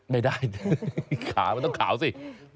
ไม่ได้ขามันต้องขาวสิ